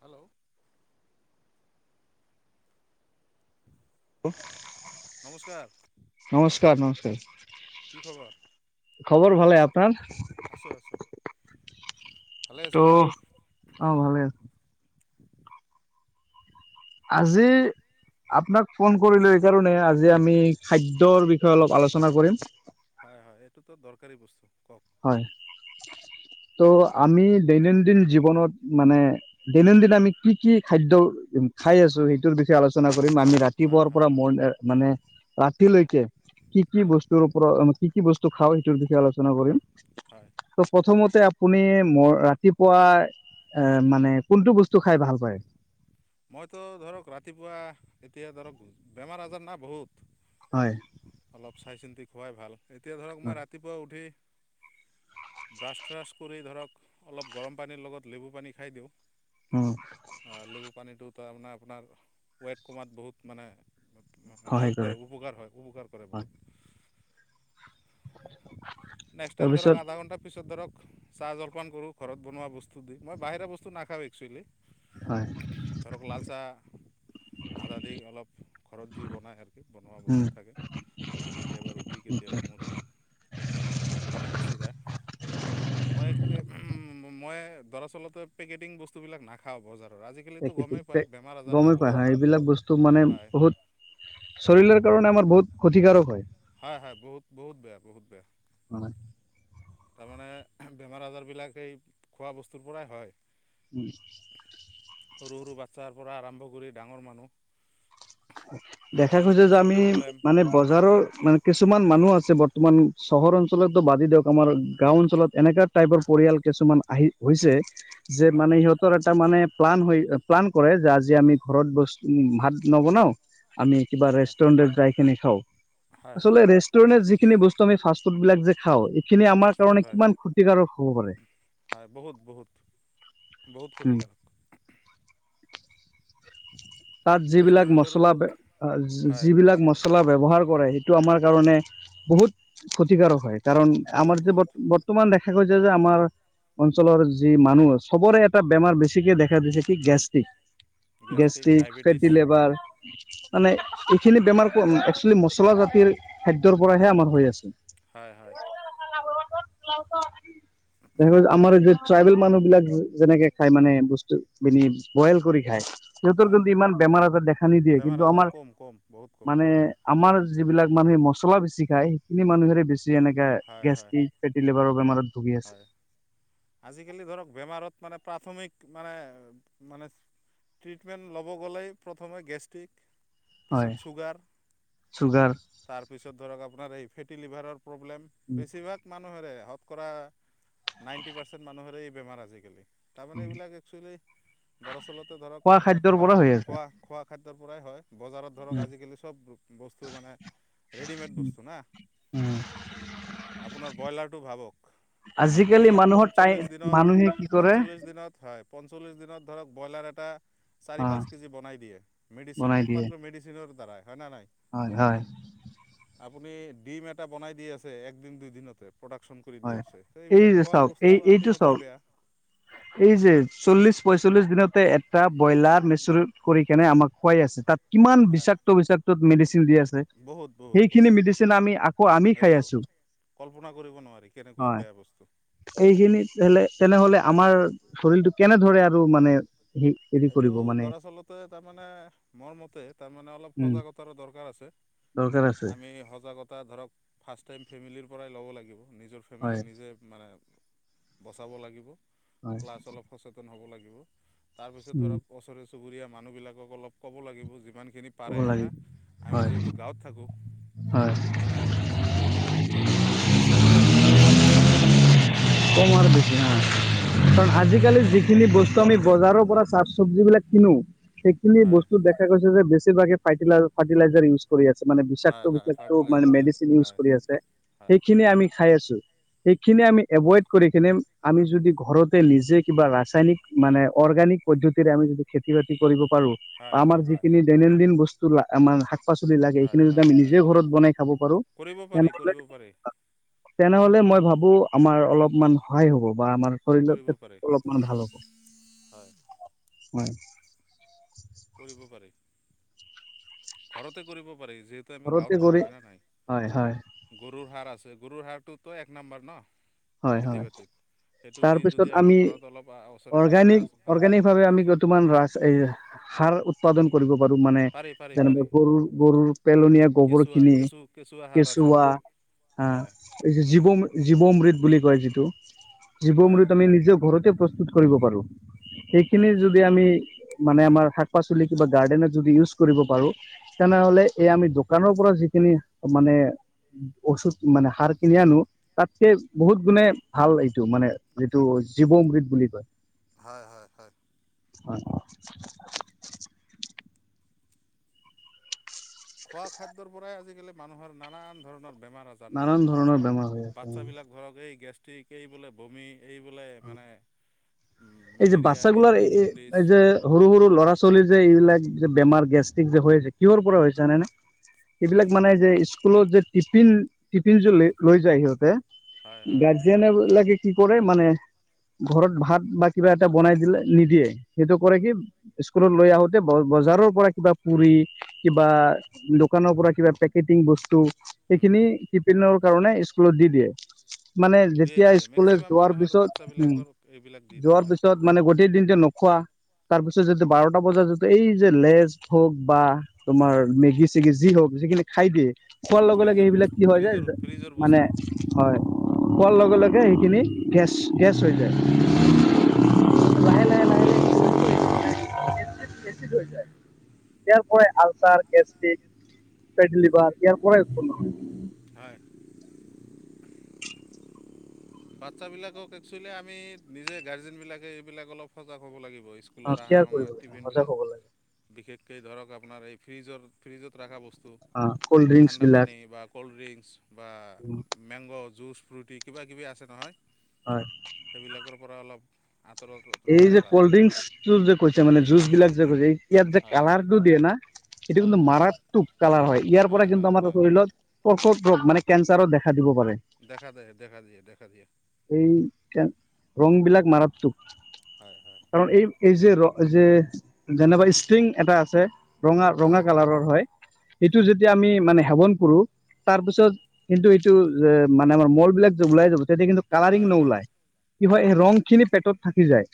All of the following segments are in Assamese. হেল্ল'! [inaudible] নমস্কাৰ নমস্কাৰ, নমস্কাৰ! কি খবৰ খবৰ ভালে আপোনাৰ? আছোঁ, আছোঁ। ভালে তো, আছে না? অঁ ভালে। আজি আপোনাক ফোন কৰিলোঁ এইকাৰণে, আজি আমি খাদ্যৰ বিষয়ে অলপ আলোচনা কৰিম। হয়, হয়। এইটোতো দৰকাৰী বস্তু, কওঁক। হয়, ত' আমি দৈনন্দিন জীৱনত মানে দৈনন্দিন আমি কি কি খাদ্য উ খায় আছোঁ সেইটোৰ বিষয়ে আলোচনা কৰিম আমি ৰাত হয় ৰাতিপুৱাৰ হয় পৰা মই মানে ৰাতিলৈকে কি কি হয় বস্তুৰ ওপৰত উ কি কি বস্তু খাওঁ, সেইটোৰ বিষয়ে আলোচনা কৰিম। হয়। ত' প্ৰথমতে আপুনি মৰ ৰাতিপুৱাৰ এ মানে কোনটো বস্তু টো খায় ভাল পায়? মইতো ধৰক ৰাতিপুৱা, এতিয়া ধৰক বেমাৰ আজাৰ না বহুত। হয়। অলপ চাই চিন্তি খোৱাই ভাল। এতিয়া ধৰক মই ৰাতিপুৱা উঠি ব্ৰাছ-থ্ৰাছ কৰি ধৰক, অলপ গৰম পানীৰ লগত লেবু পানী খায় দিওঁ। উম। অ লেবু পানীটো তাৰমানে আপোনাৰ ৱেট কমাত বহুত মানে হেল্প কৰে উপকাৰ হয়, উপকাৰ কৰে হয়। বহুত। নেক্সট টাইম তাৰপিছত ধৰক আধা ঘণ্টাৰ পিছত ধৰক চাহ জলপান কৰোঁ ঘৰত বনোৱা বস্তু দি। মই বাহিৰা বস্তু নাখাওঁ এক্সুৱেলি। হয়। ধৰক লাল চাহ আদা দি অলপ ঘৰত যি বনায় আৰকি বনোৱা উম, বস্তু থাকে। হয়তো কেতিয়াবা ৰুটি, কেতিয়াবা মুড়ি, কেতিয়াবা চিৰা। মই, এই উম মই দৰাচলতে পেকেটিং বস্তু বিলাক নাখ খাওঁ বজাৰত। আজিকালিতো পেকেটিং গমেই পায় পেক বেমাৰ আজাৰ না গমেই পায় বহুত, হয় এইবিলাক বস্তু মানে হয়। বহুত শৰীৰৰ কাৰণে আমাৰ বহুত ক্ষতিকাৰক হয়। হয়, হয়, বহুত বহুত বেয়া, বহুত বেয়া। [inaudible] তাৰমানে বেমাৰ আজাৰ বিলাক সেই খোৱা বস্তুৰ পৰাই হয়। উম সৰু, সৰু বাচ্ছাৰ পৰা আৰম্ভ কৰি ডাঙৰ মানুহ। মানে দেখা এই গৈছে যে গেছৰ আমি প্ৰব্লেম মানে বজাৰৰ, মানে কিছুমান মানুহ আছে বৰ্তমান চহৰ অঞ্চলতো বাদে দিয়ক, আমাৰ গাঁও অঞ্চলত এনেকা টাইপৰ পৰিয়াল কিছুমান, আহি হৈছে। যে হয় মানে সিহঁতৰ এটা মানে প্লান হৈ, আ প্লান কৰে যে আজি আমি ঘৰত বস্তু, ভাত নবনাওঁ, আমি কিবা হয় ৰেষ্টুৰেণ্টত যাই কিনি খাওঁ। হয় হয় আচলতে ৰেচ ৰেণ্টৰ যিখিনি বস্তু আমি ফাষ্টফুড বিলাক যে খাওঁ, এইখিনি আমাৰ ফাষ্ট ফুড কাৰণে হয় কিমান ক্ষতিকাৰক হ'ব পাৰে। হয়। বহুত, বহুত, বহুত ক্ষতি কাৰক। তাত যিবিলাক ৰেষ্টুৰেণ্টৰ মচলা, হয় যি-যিবিলাক মচ চলা ব্যৱহাৰ কৰে, সেইটো আমাৰ কাৰণে বহুত ক্ষতিকাৰক হয়। কাৰণ বহুত আমাৰ যে, বহুত ব-বৰ্তমান দেখা গৈছে যে আমাৰ অঞ্চলৰ যি মানুহৰ, চবৰে এটা বেমাৰ বেছিকে দেখা দিছে কি gastric. Gastric, diabetes fatty liver, মানে এইখিনি বেমাৰ ক, একচুৱেলি মছলা জাতিৰ খাদ্যৰ পৰাহে আমাৰ হৈ আছে। হয়, হয়। [unintelligible] তাৰপিছত আমাৰ যে ট্ৰাইবেল মানুহ বিলাক যে-যেনেকে খাই মানে বস্তু বিলি বইল কৰি খায়। সিহঁতৰ হয় কিন্তু ইমান বেমাৰ-আজাৰ দেখা নিদিয়ে, বেমাৰ কিন্তু আজাৰ আমাৰ কম কম বহুত কম মানে আমাৰ যিবিলাক মানুহে মছলা বেছি খায়, সেইখিনি মানুহেৰে বেছি এনেকে হয় হয় গেষ্টিক ফেটী লিভাৰৰ বেমাৰত ভুগি আছে হয়, আজিকালি ধৰক বেমাৰত মানে প্ৰাথমিক মানে, মানে ট্ৰিটমেণ্ট ল'ব গ'লেই, প্ৰথমে গেষ্ট্ৰিক পিছত হয় চুগাৰ, চুগাৰ তাৰপিছত ধৰক আপোনাৰ এই ফেটি লিভাৰৰ প্ৰব্লেম বেছিভাগ মানুহেৰে সৎ কৰা, নাইণ্টি পাৰ্চেণ্ট মানুহেৰে এই বেমাৰ আজিকালি। তাৰমানে এইবিলাক একচুৱেলি দৰাচলতে ধৰক খোৱা খাদ্যৰ পৰা হৈ আছে। খ-খোৱা, খোৱা খাদ্যৰ পৰাই হয়, বজাৰত ধৰক আজিকালি চব ব-বস্তু মানে, ৰেডিমেড বস্তু না। আপোনাৰ বইলাৰটো ভাবক। আপুনি আজিকালি মানুহৰ টাই পঞ্চল্লিছ দিনত, মানুহে কি কৰে পঞ্চল্লিছ দিনত হয়। পঞ্চলিছ দিনত ধৰক ব্ৰইলাৰ এটা চাৰি অ পাঁচ কেজি বনাই দিয়ে, মেডিচিন, বনাই দিয়ে একমাত্ৰ মেডিচিনৰ দ্বাৰাই হয়নে, নাই? হয়, হয়। আপুনি ডিম এটা বনাই দি আছে, এক দিন দুই দিনতে প্ৰডাকচন কৰি দি হয়। আছে। তো এই এইবিলাক যে খোৱা চাওক, বস্তু এই-এইটো আল্টিমেটলি চাওক বেয়া এই যে চল্লিশ, পচল্লিশ দিনতে এটা ব্ৰইলাৰ মেচৰিত কৰি কেনে আমাক খোৱাই আছে, তাত কিমান হয় বিষাক্ত, বিষাক্তত মেডিচিন দি আছ ছে। বহুত বহুত সেইখিনি বহুত মেডিচিন আমি, আকৌ আমি খাই সেইটো আছো। কল্পনা কৰিব নোৱাৰি, কেনেকুৱা বেয়া বস্তু। এইখিনিত হ'লে, তেনেহ'লে আমাৰ শৰীৰটো কেনেদৰে আৰু মানে হেৰি এইটো কৰিব মানে দৰাচলতে তাৰমানে মোৰ মতে তাৰমানে, অলপ উম সজাগতাৰ দৰকাৰ আছে। দৰকাৰ আছে আমি সজাগতা ধৰক, ফাৰ্ষ্ট টাইম ফেমিলিৰ পৰাই ল'ব লাগিব, নিজৰ হয় ফেমিলি নিজে মানে বচাব লাগিব, হয় প্লাছ অলপ সচেতন হ'ব লাগিব। তাৰপিছত ধৰক, ওচৰে চুবুৰীয়া মানুহবিলাকক অলপ ক'ব লাগিব, যিমানখিনি ক'ব পাৰে হয় লাগে না, আমি হয় যিহেতু গাঁৱত থাকোঁ। হয়। মানে খেতি-বাতিটো মাটিটো চবৰে আছে, কম আৰু বেছি হয় নে নাই। [unintelligible] হয় অলপ আজিকালি ধৰক যিখিনি বস্তু আমি ঘৰতে বজাৰৰ পৰা চাক চব্জি বিলাক কিনো সেইখিনি হয় বস্তুত দেখা গৈছে যে বেছি ভাগেই ফাইটিলৰ ফাইটিলাইআৰ ইউজ কৰি আছে মানে বিছাক্ত, হয় হয় বিছাক্ত মানে ফাৰ্টিলাইজাৰ হয় মেডিচিন ইউজ হয় কৰি আছে হয় সেইখিনি আমি খাই আছো। সেইখিনি আমি এভইড কৰি কিনে আমি যদি ঘৰতে নিজে কিবা ৰাছায়ানিক মানে অৰ্গেনিক পদ্ধতিৰে আমি যদি খেতি-বাতি কৰিব পাৰো হয় অ' হয় আমাৰ হয় যিখিনি দৈনন্দিন বচ তোলা আমাৰ শাক-পাচলি লাগে হয় এইখিনি যদি হয় আমি হয় নিজে ঘৰত বনাই খাব পাৰো কৰিব পাৰি তেনেহ'লে কৰিব পাৰি তেনেহলে মই ভাবো আমাৰ অলপমান সহায় হ'ব বা আমাৰ শৰীৰ কৰিব [unintelligible] পাৰি অলপমান ভাল হ'ব হয়। কৰিব পাৰে। ঘৰতে কৰিব পাৰে যিহেতু আমি ঘৰতে গাঁৱত থাকোঁ কৰি হয়নে নাই? হয় হয় গুৰুৰ সাৰ আছে গুৰুৰ সাৰটোটো এক নাম্বাৰ ন? হয়, খেতি হয় বাতিত সেইটো দি তাৰপিছত যদি আমি ঘৰত অলপ ওচৰে পাঁজৰে আ অৰ্গানিক, মানে অৰ্গেনিক ভাৱে আমি য'ত তোমান ৰাজ এইয়া সাৰ উৎ উৎপাদন কৰিব পাৰো মানে পাৰি পাৰি পাৰি যেনেবা গৰুৰ, গৰুৰ পেলনীয়া গোবৰ কেঁচুৱা খিনি কেঁচু কেঁচুৱা সাৰ আছে কেচুৱা আ হয় জীৱ-জীৱমৃতু বুলি কয় যিটো হয় জীৱমৃত আমি নিজেও ঘৰতে প্ৰস্তুত কৰিব পাৰো সেইখিনি হয় হয় যদি আমি মানে আমাৰ শাক-পাচলি কিবা গাৰ্ডেনৰ যদি ইউজ কৰিব পাৰো তেনেহলে এই আমি দোকানৰ পৰা যিখিনি মানে ঔছোধ মানে সাৰ কিনি আনো তাতকে বহুত গুণে ভাল এইটো মানে যিটো জীৱমৃত বুলি কয়। হয়, হয়, হয়। অ' খোৱা খাদ্যৰ পৰাই আজিকালি মানুহৰ নানান ধৰণৰ বেমাৰ আজাৰ না নানান ধৰণৰ বেমাৰ হৈ আছে বাচ্ছাবিলাক ধৰক এই গেষ্টিক, এই বোলে বমি এই বোলে মানে উম, এই যে মেলেৰিয়া এই বাচ্ছাগুলাৰ বোলে জণ্ডিছ এই যে সৰু, সৰু ল'ৰা-ছোৱালীৰ যে এইবিলাক যে বেমাৰ গেষ্ট্ৰিক যে হৈ আছে কিহৰ পৰা [unintelligible] জানেনে? সেইবিলাক হয়। মানে যে স্কুলত যে টিফিন, টিফিন লে যে লৈ যায় সিহঁতে হয় হয় গাৰ যেনে বিলাকে কি কৰে মানে ঘৰত ভাত বা কিবা এটা বনাই দিলে নিদিয়ে সেইটো কৰে কি স্কুলত লৈ আহোতে ব-বজাৰৰ পৰা কিবা পুৰি কিবা দোকানৰ পৰা কিবা পেকেটিং বস্তু উম সেইখিনি উম কিপিনৰৰ কাৰণে স্কুলত দি দিয়ে। মানে যেতিয়া স্কুলে যোৱাৰ পিছত উম এইবিলাকতো আৰু এইবিলাক দি দিয়ে যোৱাৰ হয়। পিছত মানে গোটেই দিনজে নোখোৱা তাৰ পিছত যদি বাৰটা বজাত যেতিয়া এই যে লেষ্ট হওক বা তোমাৰ মেগী চেগি যি হওক যিখিনি খাই দিয়ে খোৱাৰ লগে, লগে ফ্ৰিজৰ সেইবিলাক বস্তু কি হয় ফ্ৰিজৰ যে ফ্ৰিজৰ মানে বস্তু হয় খোৱাৰ লগে, লগে সেইখিনি গেছ, গেছ হৈ যায়। হয়, হয়। লাহে লাহে লাহে লাহে কি হয় এচিড হৈ যায়। ইয়াৰ পৰাই আলচাৰ, গেষ্টিকে, ফেটি লিভাৰ ইয়াৰ পৰাই উৎপন্ন হয় হয়। বাচ্ছা বিলাকক একচুৱেলি আমি নিজে গাৰ্জেন বিলাকে এইবিলাক সজাগ হ'ব লাগিব অ স্কুলত আহাৰ কেয়াৰ কৰিব সময়ত লাগে সজাগ টিফিনবিলাক হ'ব লাগে। বিশেষকে ধৰক আপোনাৰ এই ফ্ৰিজৰ ফ্ৰিজত ৰাখা বস্তু অ কল্ড ড্ৰিংকচ ঠাণ্ডা বিলাক পানী বা ক'ল্ড ড্ৰিংকছ বা মেংগ' জুচ ফ্ৰুটি কিবা কিবি আছে নহয়। হয়। সেইবিলাকৰ পৰা অলপ আঁতৰত ৰত এই যে ৰখাই ভাল। কল্ড [unintelligible] যে কৈছা মানে জুচবিলাক যে কৈছে ইয়াত যে হয় কালাৰটো দিয়ে না সেইটো হয় কিন্তু হয় মাৰাত টোপ কালাৰ হয় ইয়াৰ পৰা কিন্তু হয় আমাৰ হয় শৰীৰত [unintelligible] ৰোগ মানে কেঞ্চাৰৰ দেখা দিব পাৰে। দেখা দিয়ে দেখা দিয়ে দেখা দিয়ে এই কে ৰংবিলাক মাৰাতোক হয়, হয়। কাৰণ এই এই যে ৰ' যে যেনেবা ষ্ট্ৰিং এটা আছে। ৰঙা, ৰঙা হয় কালাৰৰ হয় সেইটো যেতিয়া আমি মানে সেৱন কৰোঁ। তাৰপিছত কিন্তু এইটো মানে আমাৰ মলবিলাক যে ওলাই যাব তেতিয়া কিন্তু কালাৰিং হয় হয় নওলায় কি হয় ৰংখিনি পেটত থাকি যায়,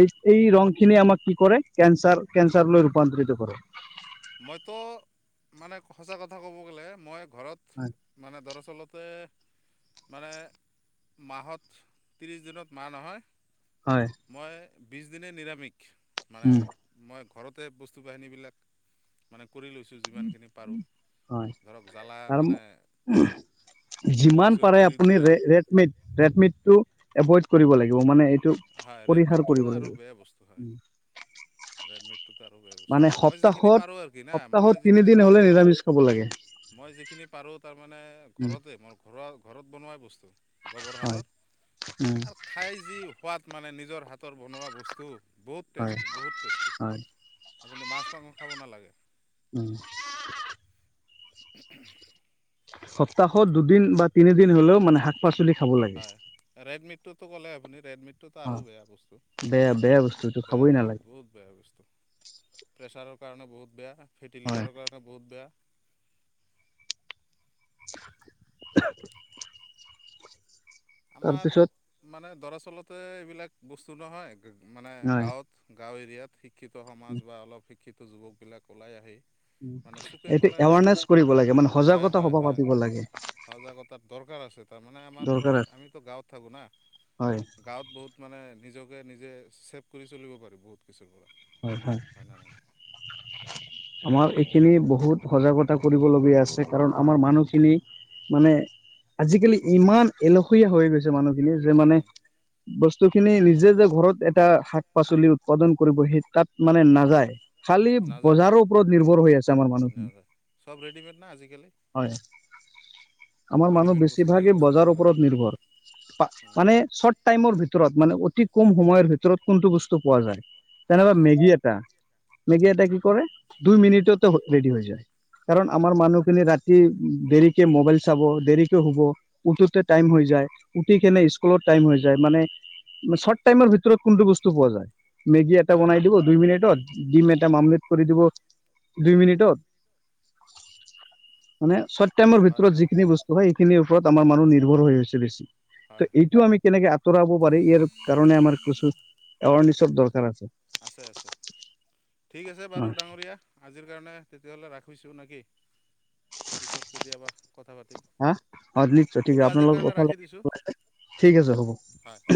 এই এই ৰংখিনি আমাক কি কৰে কেঞ্চাৰ, কেন্ঞ্চাৰ লৈ ৰূপান্তৰিত কৰে। মইতো মানে সঁচা কথা ক'ব গ'লে মই ঘৰত উ মানে দৰাচলতে মানে মাহত ত্ৰিশ দিনত মাহ নহয়। হয়। মই বিশ দিনেই নিৰামিষ মানে উম মই ঘৰতে বস্তু বাহিনীবিলাক মানে কৰি লৈছোঁ যিমানখিনি পাৰোঁ, হয় ধৰক জ্বালা তাৰ মানে উম, যিমান মৰিচৰ পাৰে পুলি আপুনি দুটা। ৰে ৰেড মিট ৰেডমিটটো এভইড কৰিব লাগিব মানে এইটো হয়, পৰিহাৰ ৰেডমিটটোতো কৰিব আৰু লাগিব বেয়া বস্তু হয়, ৰেডমিট সেইটো আৰু বেয়া বস্তু মানে মই যিখিনি সপ্তাহত পাৰোঁ আৰু কিনা সপ্তাহত মই যিখিনি তিনিদিন হলে পাৰোঁ নিৰামিষ খাব লাগে মই যিখিনি পাৰোঁ তাৰ মানে উম ঘৰতে মই ঘৰুৱা ঘৰত বনোৱাই বস্তু। গোবৰ হয় সাৰৰ। উম খাই যি সোৱাদ মানে নিজৰ হাতৰ বনোৱা বস্তু, বহুত হয় টেষ্টি, বহুত টেষ্টি, হয় আপুনি মাছ-মাংস খাব নালাগে। উম। [inaudible] সপ্তাহত দুদিন বা তিনিদিন হ'লেও মানে শাক পাচলি খাব লাগ হয়, ৰেডমিটটোতো ক'লে আপুনি ৰেডমিটটোতো আৰু বেয়া বস্তু। বেয়া বেয়া বস্তু এইটো বেয়া খাবই বহুত নালাগে। বহুত বেয়া বস্তুটো। প্ৰেছাৰৰ কাৰণে বহুত বেয়া, ফেটি হয়। লিভাৰৰ কাৰণে বহুত বেয়া। [inaudible] আমাৰ তাৰপিছত মানে দৰাচলতে এইবিলাক বস্তু নহয় মানে হয় গাঁৱত গাঁও এৰিয়াত শিক্ষিত সমাজ বা অলপ শিক্ষিত যুৱকবিলাক ওলাই আহি মানে চুকে এইটো কোণে এৱাৰনেছ কৰিব লাগে মানে হয় সজাগতা হয় সভা হয় পাতিব লাগে। সজাগতাৰ দৰকাৰ আছে তাৰমানে আমাৰ দৰকাৰ ধৰক আছে। আমিতো গাঁৱত থাকোঁ না। হয়। গাঁৱত বহুত মানে নিজকে নিজে ছেভ কৰি চলিব পাৰি বহুত কিছুৰ পৰা। হম, হম। হয় না নাই আমাৰ এইখিনি বহুত সজাগতা কৰিবলগীয়া আছে কাৰণ আমাৰ মানুহখিনি মানে আজিকালি ইমান এলহীয়া হৈ গৈছে মানুহখিনি যে মানে উম, বস্তু খিনি নিজে যে ঘৰত এটা শাক পাচলি উৎপাদন কৰিব, সি তাত মানে নাযায়। খালি নাযায় বজাৰৰ নাযায় ওপৰত নিৰ্ভৰ হৈ আছে আমাৰ মানুহখিনি, নাযায় চব ৰেডিমেড না আজিকালি হয়। আমাৰ মানুহ ৰেডিমেড বস্তুটোৱে বেছিভাগেই পচন্দ বজাৰৰ কৰে ওপৰত মানুহ নিৰ্ভৰ, উম, মানে চব টাইমৰ ভিতৰত, মানে অতি কম সময়ৰ ভিতৰত কোনটো বস্তু পোৱা যায়। তেনেকে হয় হয় মেগী এটা, মেগী এটা কি কৰে, দুই মিনিটতে ৰেডি হৈ যায়। হয় কাৰণ হয় আমাৰ মানুহ খেনি ৰাতি দেৰিকে মোবাইল চাব, দেৰিকে শুব। উঠোতে টাইম হৈ যায়, উঠি কেনে স্কুলত টাইম হৈ যায়, মানে শৰ্ট টাইমৰ ভিতৰত কোনটো বস্তু পোৱা যায়, মেগী এটা পায় বনাই পায় দিব দুই মিনিটত। ডিম এটা মামলেট কৰি দিব, দুই মিনিটত। মানে চৰ্ট টাইমৰ হয় ভিতৰত হয় যিখিনি বস্তু হয়, সেইখিনিৰ ওপৰত আমাৰ হয় মানুহ নিভৰ্ৰ হৈ হৈছে বেছি। ত' হয় হয় এইটো আমি কেনেকে আঁতৰাব পাৰি, ইয়াৰ কাৰণে আমাৰ কিছু এৱাৰ্নেছৰ দৰকাৰ আছে। আছে, আছে, ঠিক আছে বাৰু হয় ডাঙৰীয়া, আজিৰ কাৰণে তেতিয়াহ'লে ৰাখিছোঁ, নেকি। পিছত কেতিয়াবা কথা পাতিম, হা অ নিশ্চয় ঠিক আছে ক'লো আপোনাৰ আজিৰ লগত কাৰণে কথা ৰাখি দিছোঁ। ঠিক আছে হ'ব। হয় হয়